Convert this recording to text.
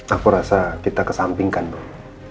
aku rasa kita kesampingkan dong